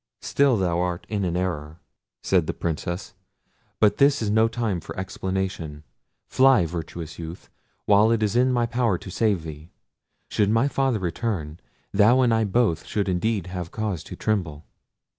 "Still thou art in an error," said the Princess; "but this is no time for explanation. Fly, virtuous youth, while it is in my power to save thee: should my father return, thou and I both should indeed have cause to tremble."